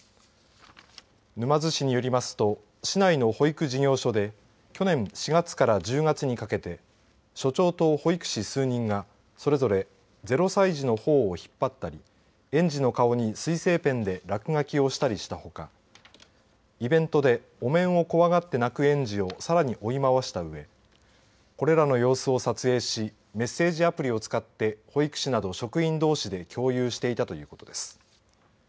沼津市によりますと市内の保育事業所で去年４月から１０月にかけて所長と保育士数人がそれぞれ０歳児のほおを引っ張ったり園児の顔に水性ペンで落書きをしたりしたほかイベントでお面を怖がって泣く園児をさらに追い回したうえこれらの様子を撮影しメッセージアプリを使って保育士など職員どうしで共有していたということです。